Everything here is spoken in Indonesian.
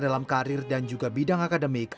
dalam karir dan juga bidang akademik